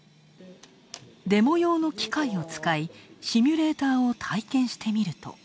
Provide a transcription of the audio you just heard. デモ用の機械を使いシミュレーターを体験してみると。